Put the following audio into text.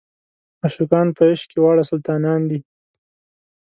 عاشقان په عشق کې واړه سلطانان دي.